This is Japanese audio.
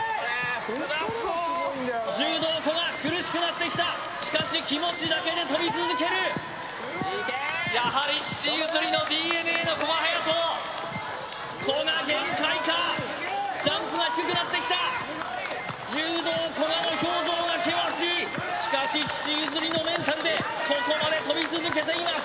つらそう柔道の古賀苦しくなってきたしかし気持ちだけで跳び続けるやはり父譲りのＤＮＡの古賀颯人古賀限界かジャンプが低くなってきた柔道・古賀の表情が険しいしかし父譲りのメンタルでここまで跳び続けています